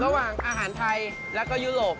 ระหว่างอาหารไทยแล้วก็ยุโรป